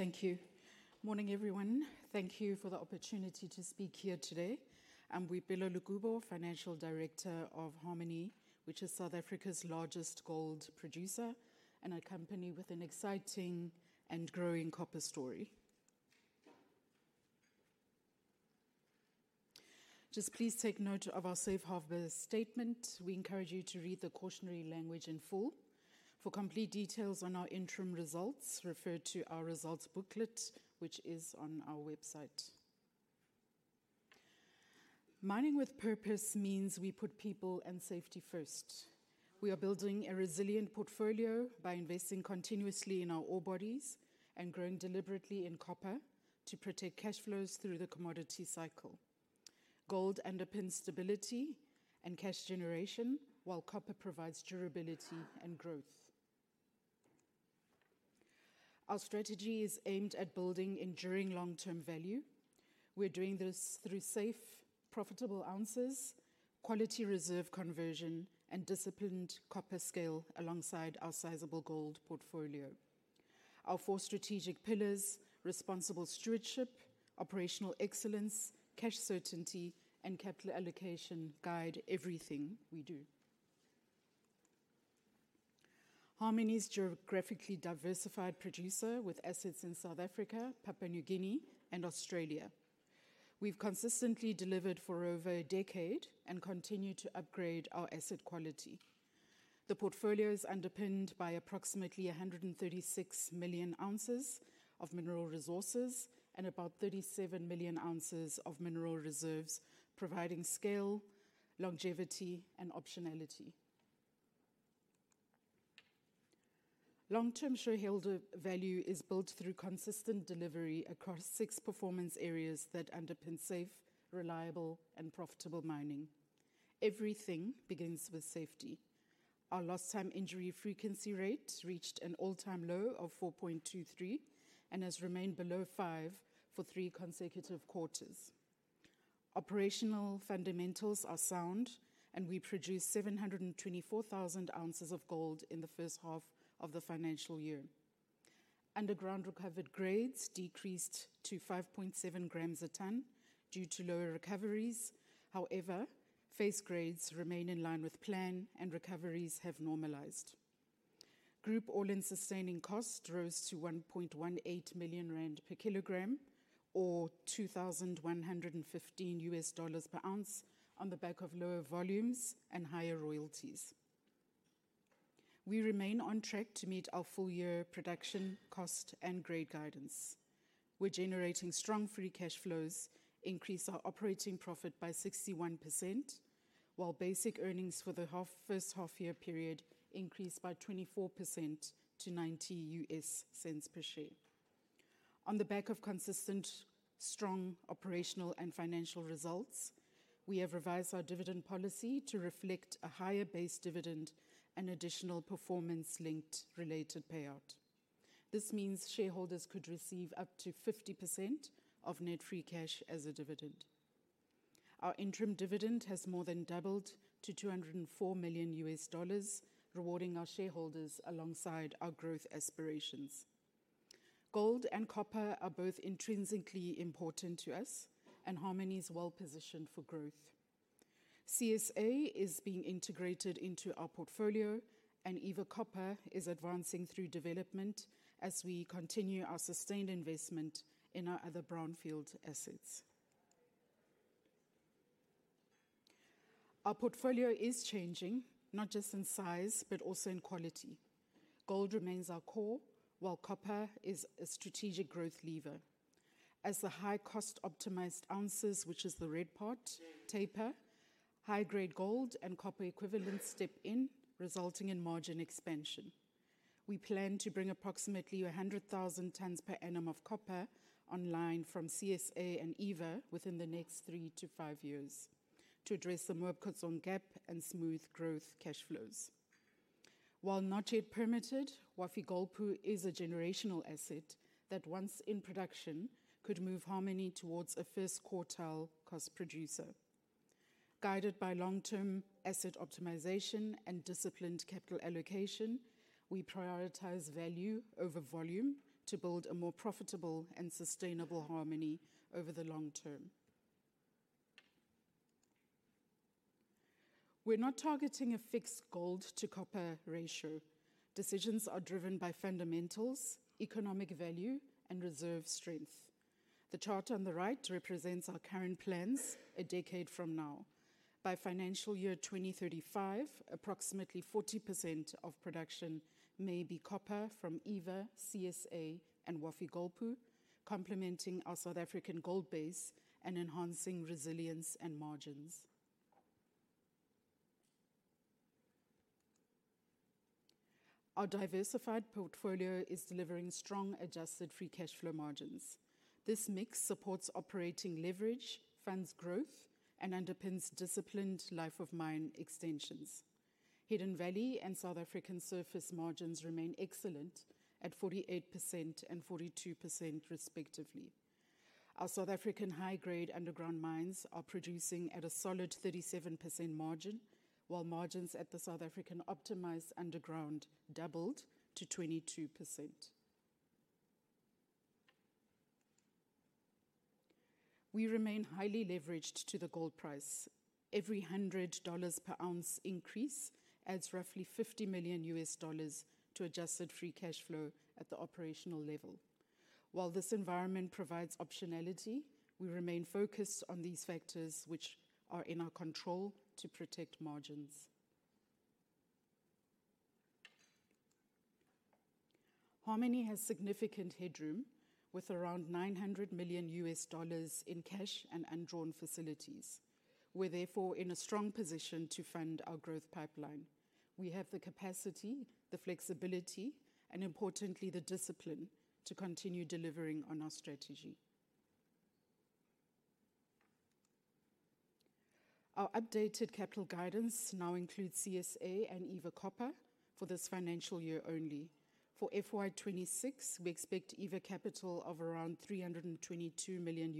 Thank you. Morning, everyone. Thank you for the opportunity to speak here today. I'm Boipelo Lekubo, Financial Director of Harmony, which is South Africa's largest gold producer, and a company with an exciting and growing copper story. Just please take note of our Safe Harbor Statement. We encourage you to read the cautionary language in full. For complete details on our interim results, refer to our results booklet, which is on our website. Mining with Purpose means we put people and safety first. We are building a resilient portfolio by investing continuously in our ore bodies and growing deliberately in copper to protect cash flows through the commodity cycle. Gold underpins stability and cash generation, while copper provides durability and growth. Our strategy is aimed at building enduring long-term value. We're doing this through safe, profitable ounces, quality reserve conversion, and disciplined copper scale alongside our sizable gold portfolio. Our four strategic pillars, responsible stewardship, operational excellence, cash certainty, and capital allocation guide everything we do. Harmony's a geographically diversified producer with assets in South Africa, Papua New Guinea, and Australia. We've consistently delivered for over a decade and continue to upgrade our asset quality. The portfolio is underpinned by approximately 136 million ounces of Mineral Resources and about 37 million ounces of Mineral Reserves, providing scale, longevity, and optionality. Long-term shareholder value is built through consistent delivery across six performance areas that underpin safe, reliable, and profitable mining. Everything begins with safety. Our lost time injury frequency rate reached an all-time low of 4.23 and has remained below five for three consecutive quarters. Operational fundamentals are sound, and we produced 724,000 ounces of gold in the first half of the financial year. Underground recovered grades decreased to 5.7 grams a ton due to lower recoveries. However, face grades remain in line with plan and recoveries have normalized. Group all-in sustaining cost rose to 1.18 million rand per kilogram, or $2,115 per ounce on the back of lower volumes and higher royalties. We remain on track to meet our full-year production cost and grade guidance. We're generating strong free cash flows, increased our operating profit by 61%, while basic earnings for the first half year period increased by 24% to $0.90 per share. On the back of consistent, strong operational and financial results, we have revised our dividend policy to reflect a higher base dividend and additional performance-linked related payout. This means shareholders could receive up to 50% of net free cash as a dividend. Our interim dividend has more than doubled to $204 million, rewarding our shareholders alongside our growth aspirations. Gold and copper are both intrinsically important to us, and Harmony is well-positioned for growth. CSA is being integrated into our portfolio, and Eva Copper is advancing through development as we continue our sustained investment in our other brownfield assets. Our portfolio is changing not just in size but also in quality. Gold remains our core, while copper is a strategic growth lever. As the high cost-optimized ounces, which is the red part, taper, high-grade gold and copper equivalents step in, resulting in margin expansion. We plan to bring approximately 100,000 tons per annum of copper online from CSA and Eva within the next three-five years to address the production gap and smooth growth cash flows. While not yet permitted, Wafi-Golpu is a generational asset that once in production, could move Harmony towards a first quartile cost producer. Guided by long-term asset optimization and disciplined capital allocation, we prioritize value over volume to build a more profitable and sustainable Harmony over the long term. We're not targeting a fixed gold to copper ratio. Decisions are driven by fundamentals, economic value, and reserve strength. The chart on the right represents our current plans a decade from now. By financial year 2035, approximately 40% of production may be copper from Eva, CSA, and Wafi-Golpu, complementing our South African gold base and enhancing resilience and margins. Our diversified portfolio is delivering strong adjusted free cash flow margins. This mix supports operating leverage, funds growth, and underpins disciplined life of mine extensions. Hidden Valley and South African surface margins remain excellent at 48% and 42% respectively. Our South African High-Grade Underground mines are producing at a solid 37% margin, while margins at the South African Optimized Underground doubled to 22%. We remain highly leveraged to the gold price. Every $100 per ounce increase adds roughly $50 million to adjusted free cash flow at the operational level. While this environment provides optionality, we remain focused on these factors which are in our control to protect margins. Harmony has significant headroom with around $900 million in cash and undrawn facilities. We're therefore in a strong position to fund our growth pipeline. We have the capacity, the flexibility, and importantly, the discipline to continue delivering on our strategy. Our updated capital guidance now includes CSA and Eva Copper for this financial year only. For FY 2026, we expect Eva capital of around $322 million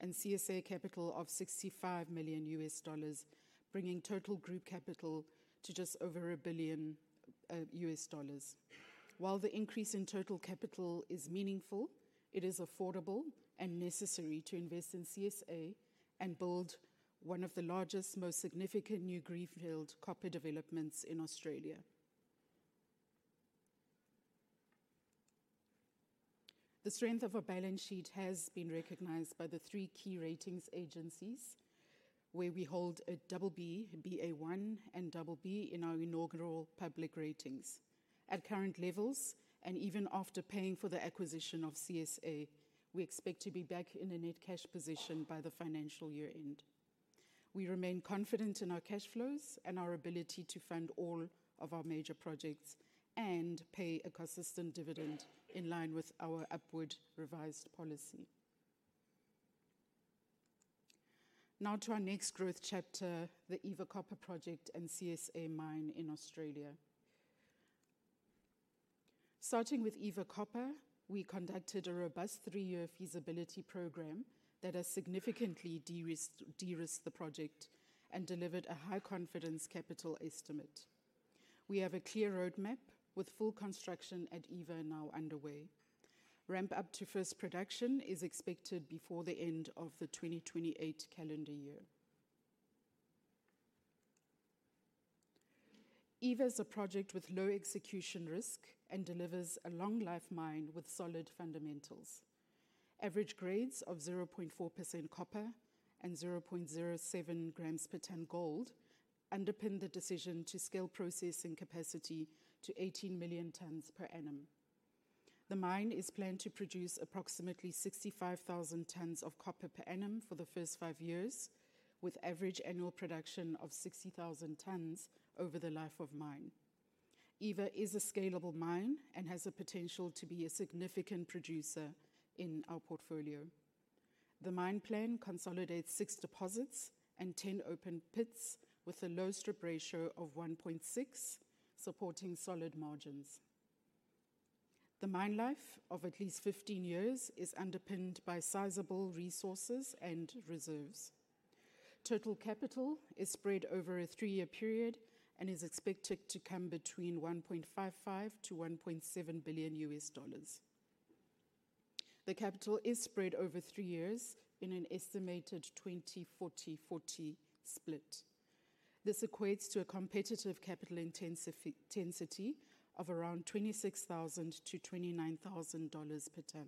and CSA capital of $65 million., bringing total group capital to just over $1 billion. While the increase in total capital is meaningful, it is affordable and necessary to invest in CSA and build one of the largest, most significant new greenfield copper developments in Australia. The strength of our balance sheet has been recognized by the three key ratings agencies, where we hold a BB, Ba1, and BB in our inaugural public ratings. At current levels, and even after paying for the acquisition of CSA, we expect to be back in a net cash position by the financial year-end. We remain confident in our cash flows and our ability to fund all of our major projects and pay a consistent dividend in line with our upward revised policy. Now to our next growth chapter, the Eva Copper Project and CSA Mine in Australia. Starting with Eva Copper, we conducted a robust three-year feasibility program that has significantly de-risked the project and delivered a high-confidence capital estimate. We have a clear roadmap with full construction at Eva now underway. Ramp-up to first production is expected before the end of the 2028 calendar year. Eva is a project with low execution risk and delivers a long-life mine with solid fundamentals. Average grades of 0.4% copper and 0.07 grams per ton gold underpin the decision to scale processing capacity to 18 million tons per annum. The mine is planned to produce approximately 65,000 tons of copper per annum for the first five years, with average annual production of 60,000 tons over the life of mine. Eva is a scalable mine and has the potential to be a significant producer in our portfolio. The mine plan consolidates six deposits and 10 open pits with a low strip ratio of 1.6, supporting solid margins. The mine life of at least 15 years is underpinned by sizable resources and reserves. Total capital is spread over a three-year period and is expected to come between $1.55 billion-$1.7 billion. The capital is spread over three years in an estimated 20/40/40 split. This equates to a competitive capital intensity of around $26,000-$29,000 per ton.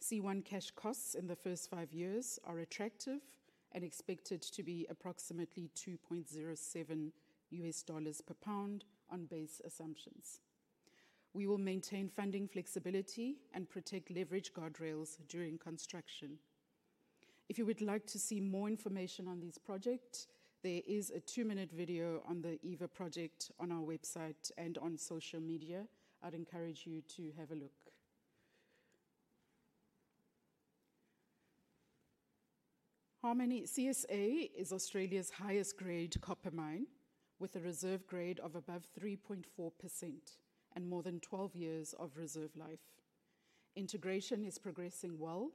C1 cash costs in the first five years are attractive and expected to be approximately $2.07 per lb on base assumptions. We will maintain funding flexibility and protect leverage guardrails during construction. If you would like to see more information on this project, there is a two-minute video on the Eva Project on our website and on social media. I'd encourage you to have a look. Harmony CSA is Australia's highest-grade copper mine, with a reserve grade of above 3.4% and more than 12 years of reserve life. Integration is progressing well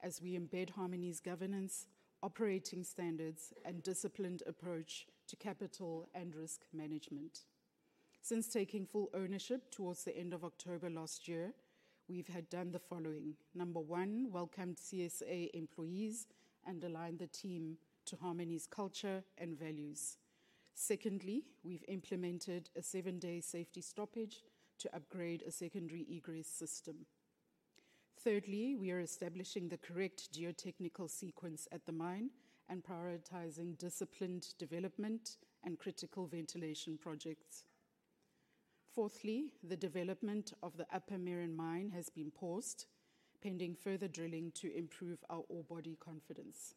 as we embed Harmony's governance, operating standards, and disciplined approach to capital and risk management. Since taking full ownership towards the end of October last year, we have done the following. Number one, welcomed CSA employees and aligned the team to Harmony's culture and values. Secondly, we've implemented a seven-day safety stoppage to upgrade a secondary egress system. Thirdly, we are establishing the correct geotechnical sequence at the mine and prioritizing disciplined development and critical ventilation projects. Fourthly, the development of the upper Merrin mine has been paused pending further drilling to improve our ore body confidence.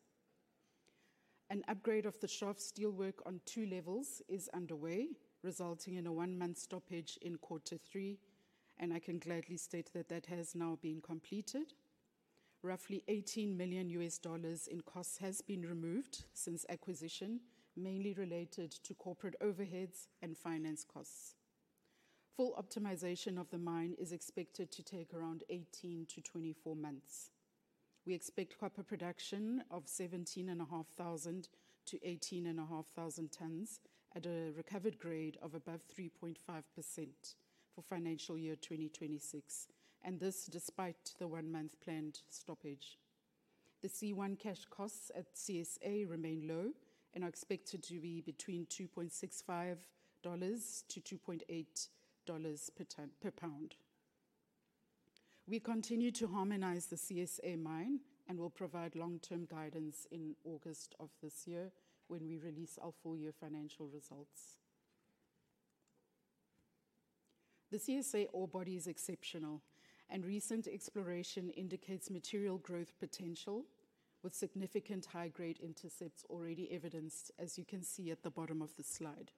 An upgrade of the shaft steelwork on two levels is underway, resulting in a one-month stoppage in quarter three. I can gladly state that that has now been completed. Roughly $18 million in costs has been removed since acquisition, mainly related to corporate overheads and finance costs. Full optimization of the mine is expected to take around 18-24 months. We expect copper production of 17,500-18,500 tons at a recovered grade of above 3.5% for financial year 2026. This despite the one-month planned stoppage. The C1 cash costs at CSA remain low and are expected to be between $2.65-$2.80 per pound. We continue to harmonize the CSA Mine and will provide long-term guidance in August of this year when we release our full-year financial results. The CSA ore body is exceptional, and recent exploration indicates material growth potential with significant high-grade intercepts already evidenced, as you can see at the bottom of the slide.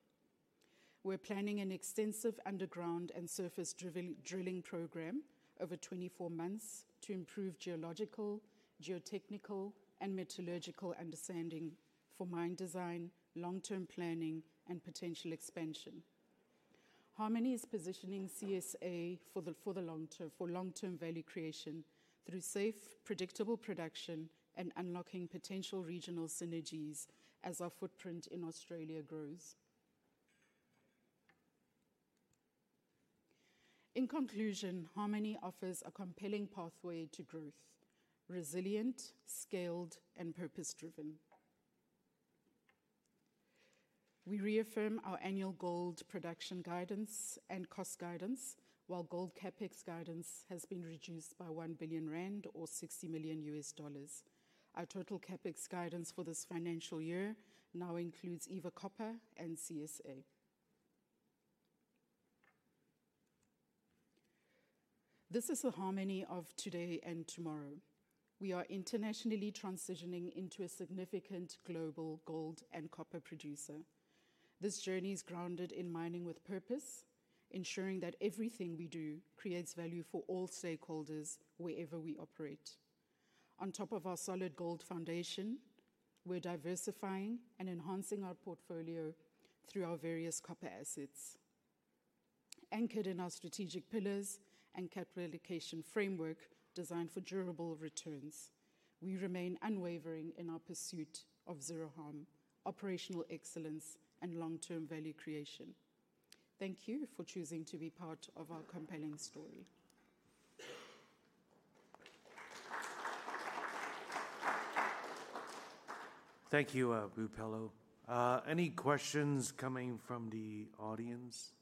We're planning an extensive underground and surface drilling program over 24 months to improve geological, geotechnical, and metallurgical understanding for mine design, long-term planning, and potential expansion. Harmony is positioning CSA for long-term value creation through safe, predictable production and unlocking potential regional synergies as our footprint in Australia grows. In conclusion, Harmony offers a compelling pathway to growth, resilient, scaled, and purpose-driven. We reaffirm our annual gold production guidance and cost guidance, while gold CapEx guidance has been reduced by 1 billion rand, or $60 million. Our total CapEx guidance for this financial year now includes Eva Copper and CSA. This is the Harmony of today and tomorrow. We are internationally transitioning into a significant global gold and copper producer. This journey is grounded in Mining with Purpose, ensuring that everything we do creates value for all stakeholders wherever we operate. On top of our solid gold foundation, we're diversifying and enhancing our portfolio through our various copper assets. Anchored in our strategic pillars and capital allocation framework designed for durable returns, we remain unwavering in our pursuit of zero harm, operational excellence, and long-term value creation. Thank you for choosing to be part of our compelling story. Thank you, Boipelo. Any questions coming from the audience?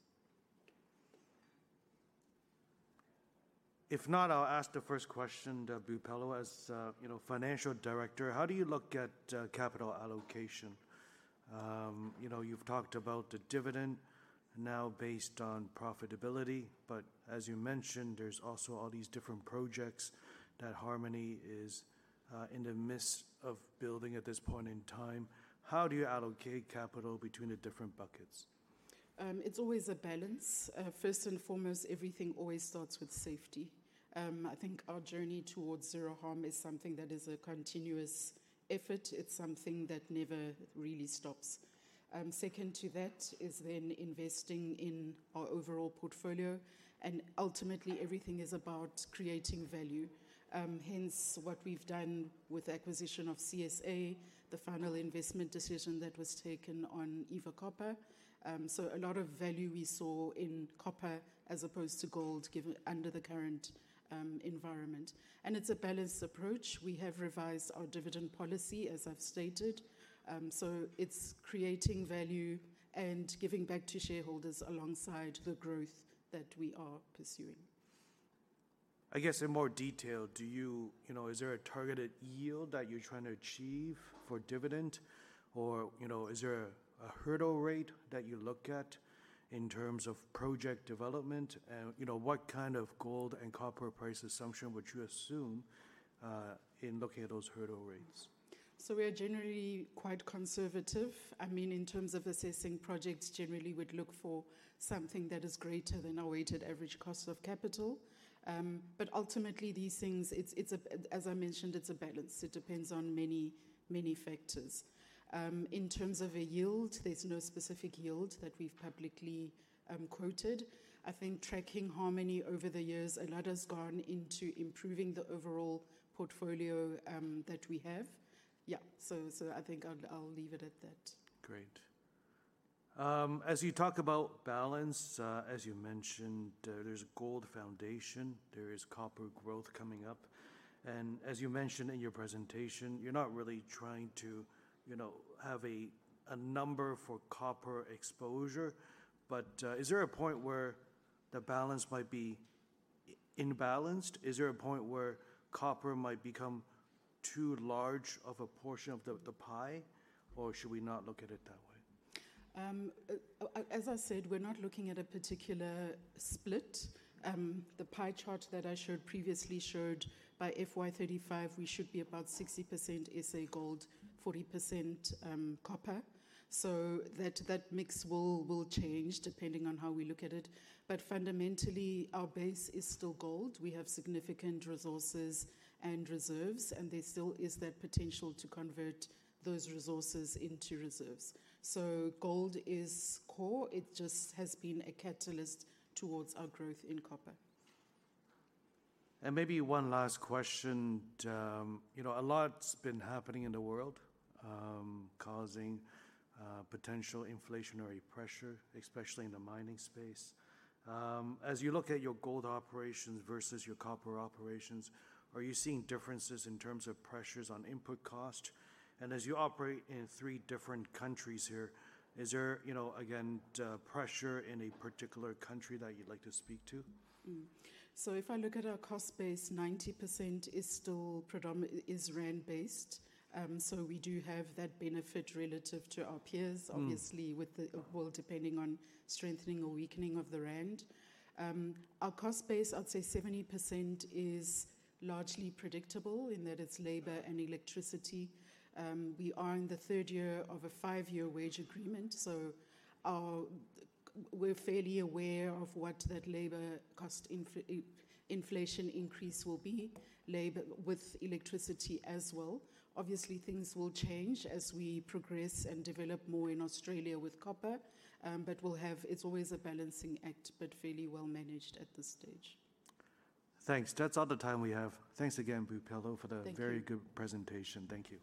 If not, I'll ask the first question to Boipelo. As Financial Director, how do you look at capital allocation? You've talked about the dividend now based on profitability, but as you mentioned, there's also all these different projects that Harmony is in the midst of building at this point in time. How do you allocate capital between the different buckets? It's always a balance. First and foremost, everything always starts with safety. I think our journey towards zero harm is something that is a continuous effort. It's something that never really stops. Second to that is then investing in our overall portfolio, and ultimately, everything is about creating value, hence what we've done with the acquisition of CSA, the final investment decision that was taken on Eva Copper. A lot of value we saw in copper as opposed to gold under the current environment. It's a balanced approach. We have revised our dividend policy, as I've stated. It's creating value and giving back to shareholders alongside the growth that we are pursuing. I guess in more detail, is there a targeted yield that you're trying to achieve for dividend? Is there a hurdle rate that you look at in terms of project development? What kind of gold and copper price assumption would you assume in looking at those hurdle rates? So we are generally quite conservative. In terms of assessing projects, generally, we'd look for something that is greater than our weighted average cost of capital. But ultimately, these things, as I mentioned, it's a balance. It depends on many factors. In terms of a yield, there's no specific yield that we've publicly quoted. I think tracking Harmony over the years, a lot has gone into improving the overall portfolio that we have. Yeah. So, I think I'll leave it at that. Great. As you talk about balance, as you mentioned, there's a gold foundation, there is copper growth coming up, and as you mentioned in your presentation, you're not really trying to have a number for copper exposure. Is there a point where the balance might be imbalanced? Is there a point where copper might become too large of a portion of the pie, or should we not look at it that way? As I said, we're not looking at a particular split. The pie chart that I showed previously showed by FY 2035, we should be about 60% S.A. gold, 40% copper. That mix will change depending on how we look at it. Fundamentally, our base is still gold. We have significant resources and reserves, and there still is that potential to convert those resources into reserves. Gold is core. It just has been a catalyst towards our growth in copper. Maybe one last question. A lot's been happening in the world, causing potential inflationary pressure, especially in the mining space. As you look at your gold operations versus your copper operations, are you seeing differences in terms of pressures on input cost? As you operate in three different countries here, is there, again, pressure in a particular country that you'd like to speak to? If I look at our cost base, 90% is rand-based. We do have that benefit relative to our peers. Obviously with the gold depending on strengthening or weakening of the rand, our cost base, I'd say 70% is largely predictable in that it's labor and electricity. We are in the third year of a five-year wage agreement, so we're fairly aware of what that labor cost inflation increase will be, with electricity as well. Obviously, things will change as we progress and develop more in Australia with copper. It's always a balancing act, but fairly well managed at this stage. Thanks. That's all the time we have. Thanks again, Boipelo. Thank you. Very good presentation. Thank you.